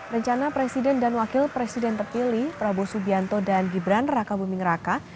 rencana presiden dan wakil presiden terpilih prabowo subianto dan gibran raka buming raka